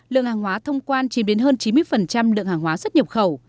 lượng hàng hóa thông quan chìm đến hơn chín mươi lượng hàng hóa xuất nhập khẩu